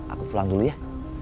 aku pulang dulu ya